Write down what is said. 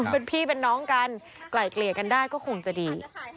เป็นพี่เป็นน้องกันไกลเกลี่ยกันได้ก็คงจะดี